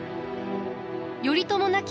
頼朝亡き